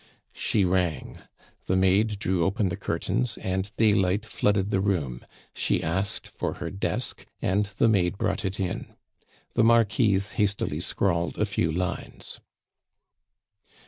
She rang; the maid drew open the curtains, and daylight flooded the room; she asked for her desk, and the maid brought it in. The Marquise hastily scrawled a few lines.